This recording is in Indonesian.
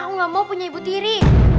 aku nggak mau punya ibu tiri